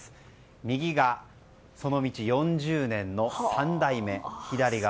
右がその道４０年の３代目左側